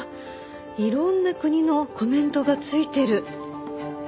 いろんな国のコメントが付いてる。